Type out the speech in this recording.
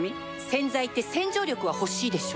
洗剤って洗浄力は欲しいでしょ